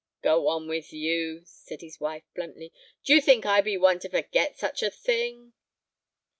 "Go on with you," said his wife, bluntly; "do you think I be one to forget such a thing?"